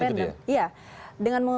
dengan mengusung satu perorangan